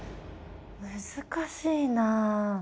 難しいな。